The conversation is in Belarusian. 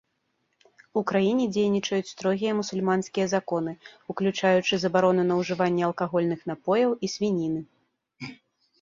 У краіне дзейнічаюць строгія мусульманскія законы, уключаючы забарону на ўжыванне алкагольных напояў і свініны.